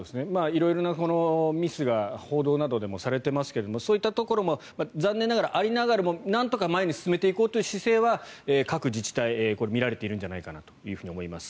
色々なミスが報道などでもされてますけどもそういったところも残念ながらありながらもなんとか前に進めていこうという姿勢は各自治体見られているんじゃないかなと思います。